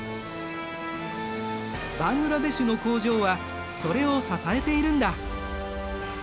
バングラデシュの工場はそれを支えているんだ。